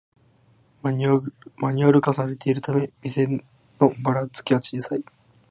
マニュアル化されているため店のバラつきは小さい